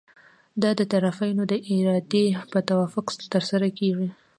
دا د طرفینو د ارادې په توافق ترسره کیږي.